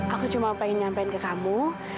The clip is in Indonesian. aku cuma pengen nyampein ke kamu